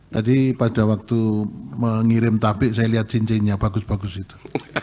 tadi pada waktu mengirim tabik saya lihat cincinnya bagus bagus itu